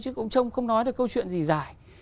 chứ cũng không nói được câu chuyện gì dài